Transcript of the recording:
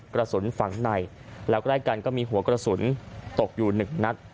กระสุนฝังในแล้วใกล้กันก็มีหัวกระสุนตกอยู่หนึ่งนัด